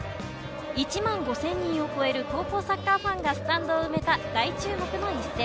１万５０００人を超える高校サッカーファンがスタンドを埋めた大注目の一戦。